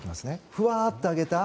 ふわっと上げた。